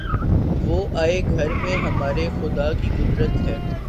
وہ آئے گھر میں ہمارے‘ خدا کی قدرت ہے!